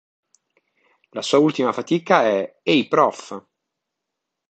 La sua ultima fatica è "Ehi, prof!